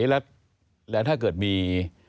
แล้วถ้าเกิดมี